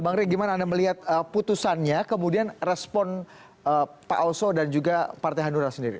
bang rey gimana anda melihat putusannya kemudian respon pak oso dan juga partai hanura sendiri